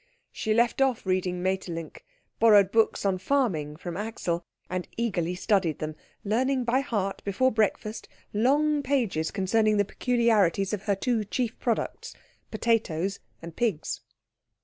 She left off reading Maeterlinck, borrowed books on farming from Axel, and eagerly studied them, learning by heart before breakfast long pages concerning the peculiarities of her two chief products, potatoes and pigs.